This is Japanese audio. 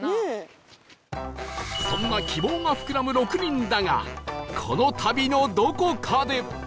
そんな希望が膨らむ６人だがこの旅のどこかで